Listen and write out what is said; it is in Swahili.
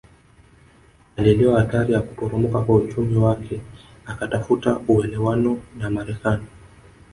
Alielewa hatari ya kuporomoka kwa uchumi wake akatafuta uelewano na Marekani